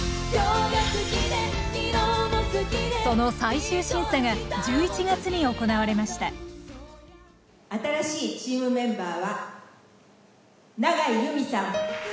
その最終審査が１１月に行われました新しいチームメンバーは永井結海さん。